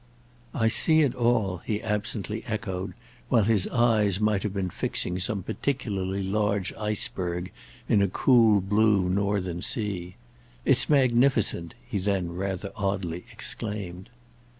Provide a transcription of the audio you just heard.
"I see it all," he absently echoed, while his eyes might have been fixing some particularly large iceberg in a cool blue northern sea. "It's magnificent!" he then rather oddly exclaimed.